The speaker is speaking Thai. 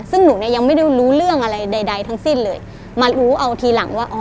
ซึ่งหนูเนี่ยยังไม่ได้รู้เรื่องอะไรใดทั้งสิ้นเลยมารู้เอาทีหลังว่าอ๋อ